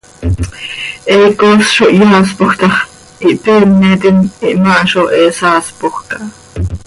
He icoos zo hyaaspoj tax, ihpeemetim, ihmaa zo he saaspoj caha.